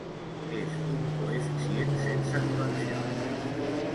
És un coeficient sense dimensions.